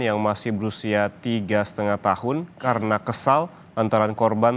yang masih berusia tiga lima tahun karena kesal antaran korban